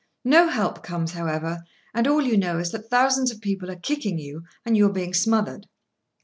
No help comes, however, and all you know is that thousands of people are kicking you, and you are being smothered.